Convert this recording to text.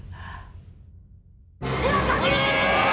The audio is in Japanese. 村上！